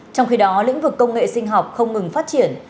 trong khi đó lĩnh vực công nghệ sinh học không ngừng phát triển